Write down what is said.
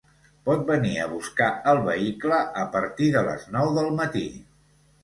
Pot venir a buscar el vehicle a partir de les nou del matí.